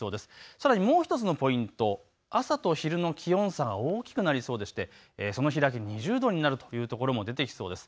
そしてもう１つのポイント、朝と昼の気温差が大きくなりそうでしてその開き２０度の所も出てきそうです。